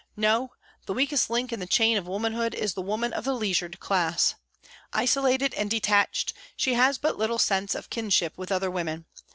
No, the weakest link in the chain of womanhood is the woman of the leisured class. Isolated and detached, she has but little sense of kinship with other women.